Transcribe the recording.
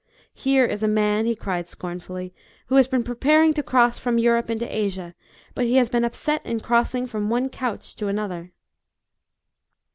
"'Here is a man," he cried scornfully, "who has been preparing to cross from Europe into Asia, but he has been upset in crossing from one couch to another."